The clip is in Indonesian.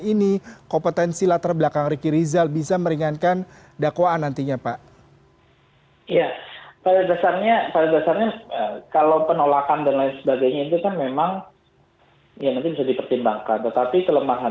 ini kompetensi latar belakang ricky rizal bisa meringankan dakwaan nantinya pak